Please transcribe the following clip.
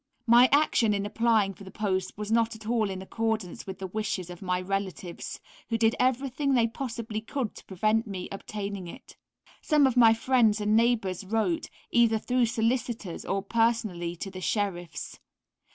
My action in applying for the post was not at all in accordance with the wishes of my relatives, who did everything they possibly could to prevent my obtaining it. Some of my friends and neighbours wrote, either through solicitors or personally, to the sheriffs.